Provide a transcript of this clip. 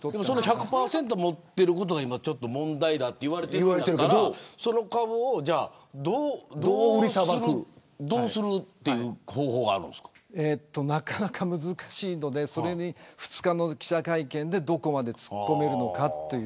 １００％持ってることが問題だと言われてるんやったらその株をどうするなかなか難しいので２日の記者会見でどこまで突っ込めるかという。